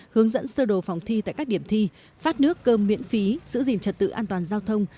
hướng dẫn sơ đồ phòng thi tại các điểm thi phát nước cơm miễn phí giữ gìn trật tự an toàn giao thông